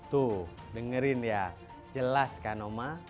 tuh dengerin ya jelas kan oma